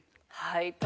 はい。